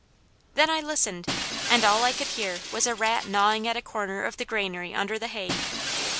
Then I listened, and all I could hear was a rat gnawing at a corner of the granary under the hay.